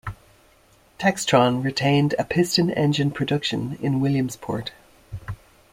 Textron retained piston engine production in Williamsport.